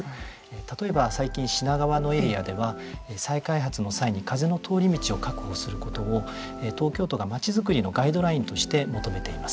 例えば、最近品川のエリアでは再開発の際に風の通り道を確保することを東京都が街づくりのガイドラインとして求めています。